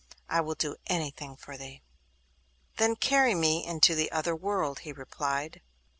I will do anything for thee.' 'Then carry me into the other world,' he replied.